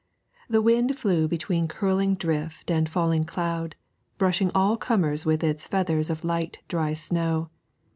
The wind flew between curling drift and falling cloud, brushing all comers with its feathers of light dry snow.